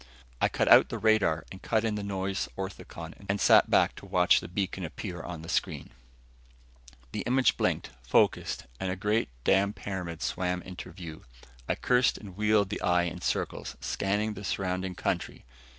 I cut out the radar and cut in the nose orthicon and sat back to watch the beacon appear on the screen. The image blinked, focused and a great damn pyramid swam into view. I cursed and wheeled the eye in circles, scanning the surrounding country.